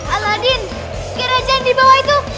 aladin kira kira yang dibawah itu